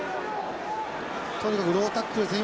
とにかくロータックルですね。